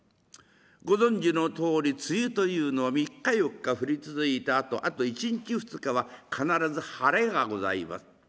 ご存じのとおり梅雨というのは３日４日降り続いたあとあと１日２日は必ず晴れがございます。